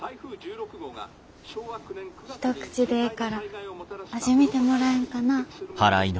一口でええから味見てもらえんかな？